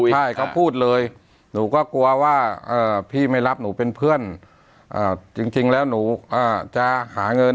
ใช่เขาพูดเลยหนูก็กลัวว่าพี่ไม่รับหนูเป็นเพื่อนจริงแล้วหนูจะหาเงิน